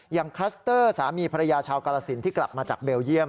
คลัสเตอร์สามีภรรยาชาวกาลสินที่กลับมาจากเบลเยี่ยม